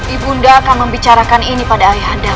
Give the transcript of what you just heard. ibu bunda akan membicarakan ini pada ayah adam